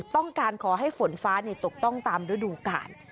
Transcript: ต้องการขอให้ฝนฟ้าตกต้องตามฤดูกาล